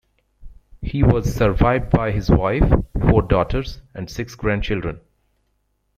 He was survived by his wife, four daughters, and six grandchildren.